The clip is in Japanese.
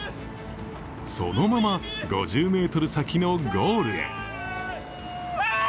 そのまま５０ｍ先のゴールへ。